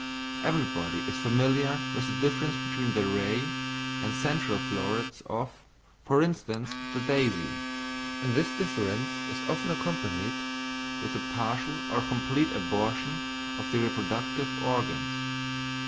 Everyone is familiar with the difference between the ray and central florets of, for instance, the daisy, and this difference is often accompanied with the partial or complete abortion of the reproductive organs.